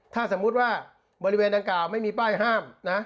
ถ้าสมมุติว่าบริเวณดังกล่าวไม่มีป้ายห้ามนะ